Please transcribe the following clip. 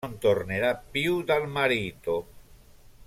Non tornerà più dal marito.